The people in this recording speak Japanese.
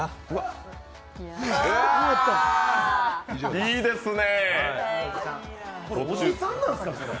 いいですね！